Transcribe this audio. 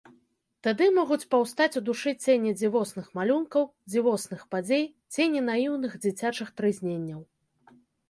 Тады могуць паўстаць у душы цені дзівосных малюнкаў, дзівосных падзей, цені наіўных дзіцячых трызненняў.